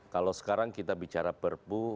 kalau sekarang kita bicara perpu